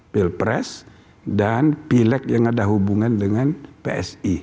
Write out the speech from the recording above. pilpres dan pileg yang ada hubungan dengan psi